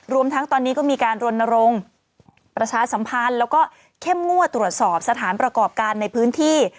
รวมทั้งตอนนี้ก็มีการรณรงค์ประชาสัมพันธ์แล้วก็เข้มงวดตรวจสอบสถานประกอบการในพื้นที่